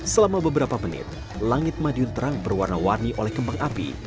selama beberapa menit langit madiun terang berwarna warni oleh kembang api